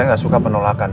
saya gak suka penolakan